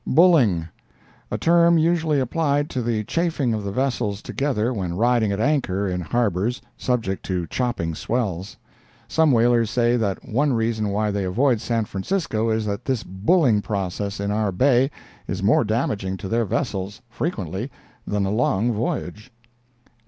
"Bulling"—A term usually applied to the chafing of vessels together when riding at anchor in harbors subject to chopping swells. Some whalers say that one reason why they avoid San Francisco is that this "bulling" process in our Bay is more damaging to their vessels, frequently, than a long voyage.